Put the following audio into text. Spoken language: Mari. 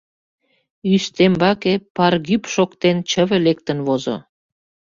Ӱстембаке, паргӱп шоктен, чыве лектын возо.